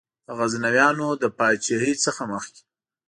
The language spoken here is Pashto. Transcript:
د غزنویانو له پاچهۍ څخه مخکي.